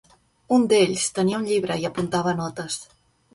Un d'ells tenia un llibre i apuntava notes.